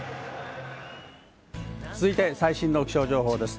続いて最新の気象情報です。